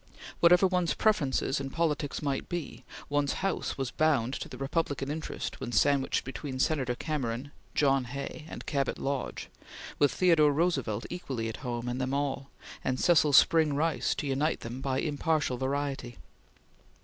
Whatever one's preferences in politics might be, one's house was bound to the Republican interest when sandwiched between Senator Cameron, John Hay, and Cabot Lodge, with Theodore Roosevelt equally at home in them all, and Cecil Spring Rice to unite them by impartial variety.